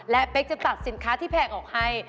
และเป๊กจะตัดสินค้าที่แพงออกให้